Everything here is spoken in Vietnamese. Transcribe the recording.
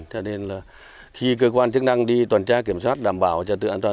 cho nên là khi cơ quan chức năng đi tuần tra kiểm soát đảm bảo trật tự an toàn